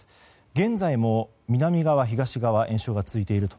現在も南側、東側で延焼が続いていると。